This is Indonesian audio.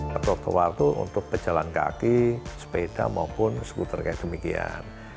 perduk duk waktu untuk berjalan kaki sepeda maupun skuter kayak demikian